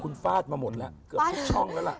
คุณฟาดมาหมดแล้วเกือบทุกช่องแล้วล่ะ